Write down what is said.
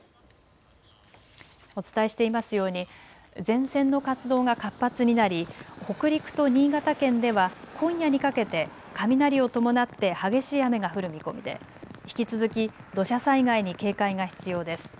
お伝えしていますように前線の活動が活発になり北陸と新潟県では今夜にかけて雷を伴って激しい雨が降る見込みで引き続き土砂災害に警戒が必要です。